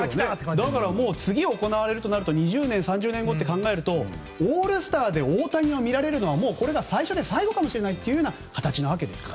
だからもう次に行われるとなると２０年、３０年後と考えるとオールスターで大谷が見られるのはこれが最初で最後かもしれない形なわけです。